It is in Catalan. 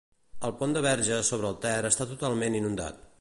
El pont de Verges sobre el Ter està totalment inundat.